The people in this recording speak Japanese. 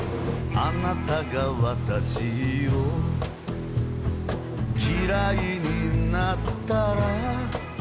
「あなたが私をきらいになったら」